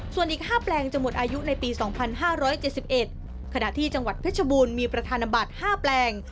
ส่วนอีกห้าแปลงจะหมดอายุในปีสองพันห้าร้อยเจสิบเอ็ดขณะที่จังหวัดเพชรบูรณ์มีประธานบัติห้าแปลง